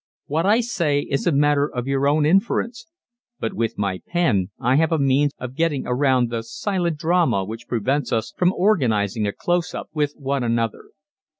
What I say is a matter of your own inference, but with my pen I have a means of getting around the "silent drama" which prevents us from organizing a "close up" with one another.